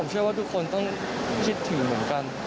เชื่อว่าทุกคนต้องคิดถึงเหมือนกัน